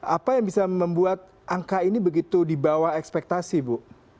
apa yang bisa membuat angka ini begitu di bawah ekspektasi bu